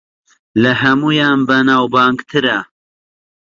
لە ھەموویان بەناوبانگترە